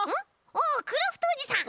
おおクラフトおじさん。